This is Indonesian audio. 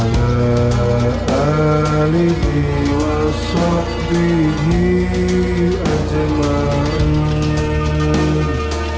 ya allah sadarkanlah anak hamba ya allah